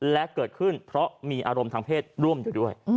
และเกิดขึ้นเพราะมีอารมณ์ทางเพศร่วมอยู่ด้วย